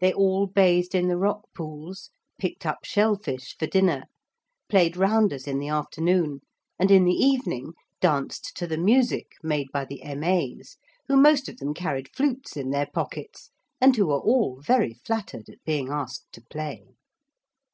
They all bathed in the rock pools, picked up shell fish for dinner, played rounders in the afternoon, and in the evening danced to the music made by the M.A.'s who most of them carried flutes in their pockets, and who were all very flattered at being asked to play.